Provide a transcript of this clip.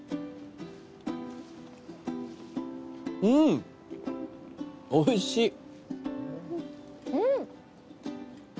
うんおいしいうん